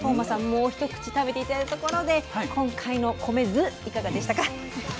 もう一口食べて頂いたところで今回の米酢いかがでしたか？